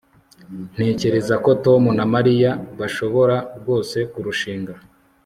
ntekereza ko tom na mariya bashobora rwose kurushinga